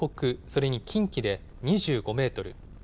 それに近畿で２５メートル